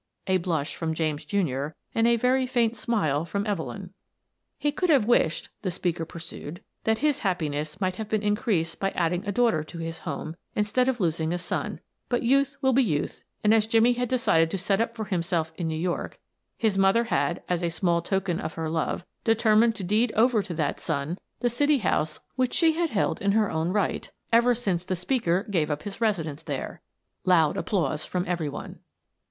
(A blush from James, Jr., and a very faint smile from Evelyn.) He could have wished, the speaker pursued, that his happiness might have been increased by adding a daughter to his home instead of losing a son, but youth will be youth, and, as Jimmie had decided to set up for himself in New York, his mother had, as a small token of her love, determined to deed over to that son the city house which she had held in her own right ever since the speaker gave up his residence there. (Loud applause from everybody.)